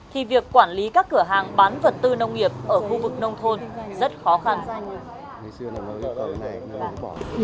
thì việc quản lý các cửa hàng bán vật tư nông nghiệp ở khu vực nông thôn rất khó khăn